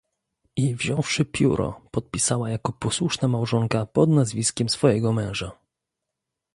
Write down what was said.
"I wziąwszy pióro podpisała, jako posłuszna małżonka pod nazwiskiem swojego męża."